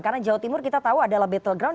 karena jawa timur kita tahu adalah battleground